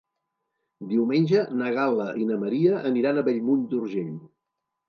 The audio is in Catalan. Diumenge na Gal·la i na Maria aniran a Bellmunt d'Urgell.